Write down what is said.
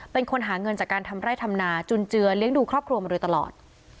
เป็นคนหาเงินจากการทำไร่ทำนาจุนเจือเลี้ยงดูครอบครัวมาโดยตลอด